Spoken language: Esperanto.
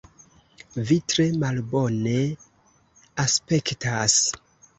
Vi tre malbone aspektas.